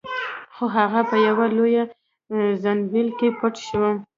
خو هغه په یوه لوی زنبیل کې پټ شو.